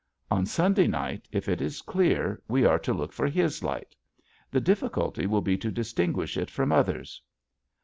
On Sunday night, if it is clear, we are to look for his light. The difficulty will be to distinguish it from others.